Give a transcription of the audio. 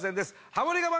ハモリ我慢